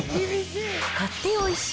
買っておいしい！